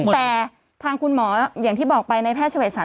แต่ทางคุณหมออย่างที่บอกไปในแพทย์เฉวดสรร